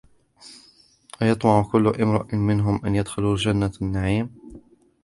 أيطمع كل امرئ منهم أن يدخل جنة نعيم